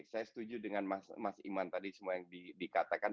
saya setuju dengan mas iman tadi semua yang dikatakan